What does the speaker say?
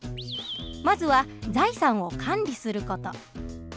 まずは財産を管理する事。